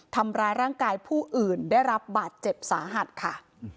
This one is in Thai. ทำร้ายร่างกายผู้อื่นได้รับบาดเจ็บสาหัสค่ะ